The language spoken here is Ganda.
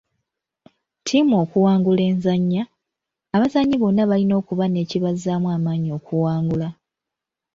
Ttiimu okuwangula enzannya, abazannyi bonna balina okuba n'ekibazzaamu amaanyi okuwangula.